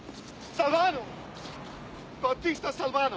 サルバーノ！